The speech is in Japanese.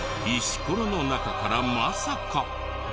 石ころの中からまさか！？